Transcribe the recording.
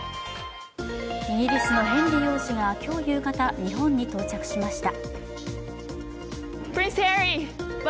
イギリスのヘンリー王子が今日夕方、日本に到着しました。